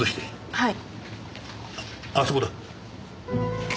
はい。